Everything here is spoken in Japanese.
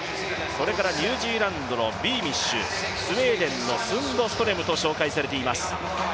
ニュージーランドのビーミッシュ、スウェーデンのスンドストレムと紹介されています。